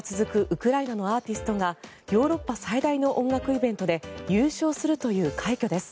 ウクライナのアーティストがヨーロッパ最大の音楽イベントで優勝するという快挙です。